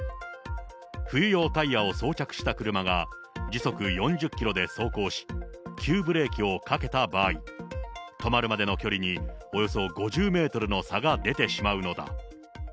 冬用タイヤを装着した車が、時速４０キロで走行し、急ブレーキをかけた場合、止まるまでの距離におよそ５０メートルの差が出てしまうのだ。